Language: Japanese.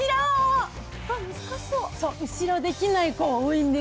後ろできない子多いんです。